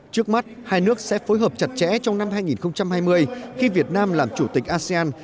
trước mắt hai nước sẽ phối hợp chặt chẽ trong năm hai nghìn hai mươi khi việt nam làm chủ tịch asean